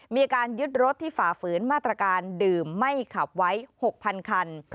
มีการยึดรถที่ฝ่าฝืนมาตรการดื่มไม่ขับไว้๖๐๐คัน